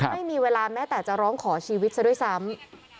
ไม่มีเวลาแม้แต่จะร้องขอชีวิตซะด้วยซ้ำ